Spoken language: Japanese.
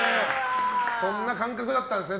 そんな感覚だったんですね